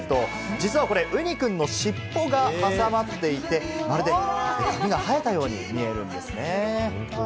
実はこれ、うにくんの尻尾が挟まっていて、まるで髪が生えたように見えているんですね。